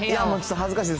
恥ずかしいです。